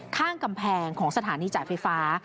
ข้างกำแพงของสถานีจ่ายไฟฟ้า